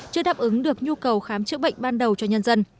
chưa đáp ứng được nhu cầu khám chữa bệnh ban đầu cho nhân dân